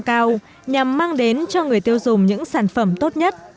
giá cả được tăng cao nhằm mang đến cho người tiêu dùng những sản phẩm tốt nhất